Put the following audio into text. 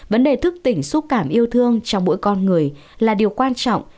vấn đề thức tỉnh xúc cảm yêu thương trong mỗi con người là điều quan trọng